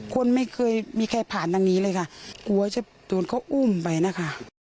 คนไม่เคยมีใครผ่านทางนี้เลยค่ะกลัวจะโดนเขาอุ้มไปนะคะ